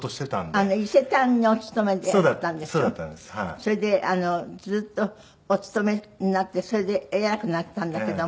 それでずっとお勤めになってそれで偉くなったんだけども。